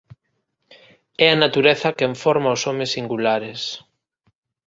É a natureza quen forma os homes singulares.